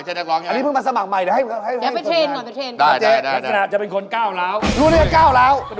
ใช่ครับนักร้องเป็นอย่างไรหุ่นดีไหมครับ